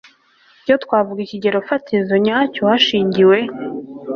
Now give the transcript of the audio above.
byo twavuga ikigero fatizo nyacyo hashingiwe